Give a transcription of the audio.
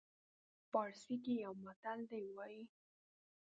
پارسي کې یو متل دی وایي.